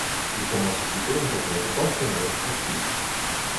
Il commence aussitôt une carrière d'entraîneur en Suisse.